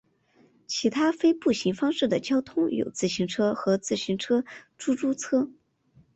其他非步行方式的交通有自行车和自行车出租车。